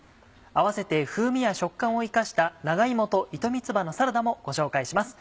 併せて風味や食感を生かした長芋と糸三つ葉のサラダもご紹介します。